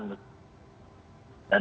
dan kemudian kedua kan